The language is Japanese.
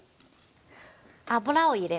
油を入れます。